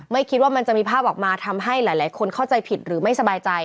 คิดว่ามันจะมีภาพออกมาทำให้หลายคนเข้าใจผิดหรือไม่สบายใจ